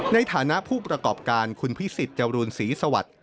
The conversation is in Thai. ในฐานะผู้ประกอบการคุณพิสิทธิ์จรูนศรีสวัสดิ์